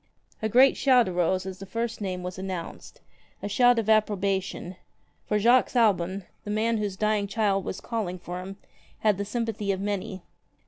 A great shout arose as the first name was announced, a shout of approbation, for Jacques Aubon, the man whose 45 dying child was calling for him, had the sympathy of many.